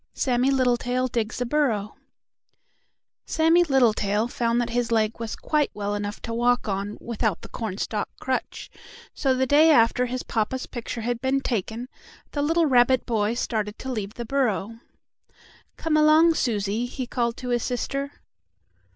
V SAMMIE LITTLETAIL DIGS A BURROW Sammie Littletail found that his leg was quite well enough to walk on, without the cornstalk crutch, so the day after his papa's picture had been taken, the little rabbit boy started to leave the burrow. "Come along, Susie," he called to his sister.